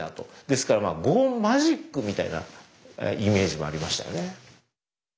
ですからまあゴーンマジックみたいなイメージもありましたよね。